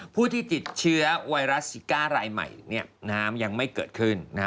ผู้ที่ติดเชื้อไวรัสซิก้ารายใหม่เนี่ยน้ำยังไม่เกิดขึ้นนะฮะ